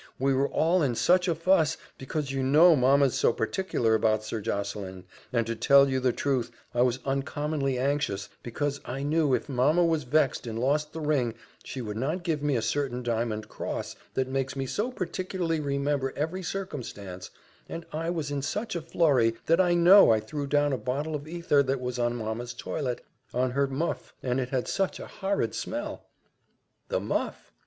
We were all in such a fuss, because you know mamma's so particular about Sir Josseline; and to tell you the truth, I was uncommonly anxious, because I knew if mamma was vexed and lost the ring, she would not give me a certain diamond cross, that makes me so particularly remember every circumstance and I was in such a flurry, that I know I threw down a bottle of aether that was on mamma's toilette, on her muff and it had such a horrid smell!" The muff!